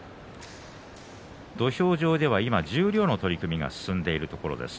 土俵上では今、十両の取組が進んでいるところです。